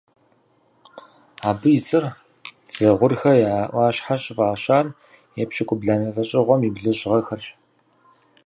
Абы и цӏэр Дзыгъурхэ я ӏуащхьэ щыфӏащар епщыкӏубгъуанэ лӏэщӏыгъуэм и блыщӏ гъэхэрщ.